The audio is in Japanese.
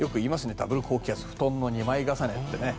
ダブル高気圧布団の２枚重ねってね。